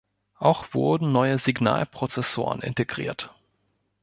Auch wurden neue Signalprozessoren integriert.